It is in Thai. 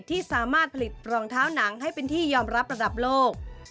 ที่สามารถผลิตรองเท้าหนังให้เป็นที่ยอมรับระดับโลก